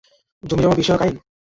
জমিজমা বিষয়ক আইন?